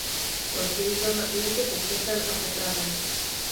Později byl na útěku chycen a popraven.